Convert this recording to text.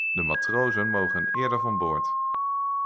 De matrozen mogen eerder van boord.